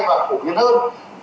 và phổ biến hơn